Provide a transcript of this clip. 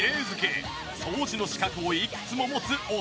掃除の資格をいくつも持つお掃除芸人。